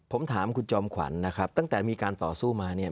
ผมถามคุณจอมขวัญนะครับตั้งแต่มีการต่อสู้มาเนี่ย